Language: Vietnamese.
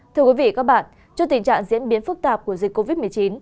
thưa quý vị và các bạn trước tình trạng diễn biến phức tạp của dịch covid một mươi chín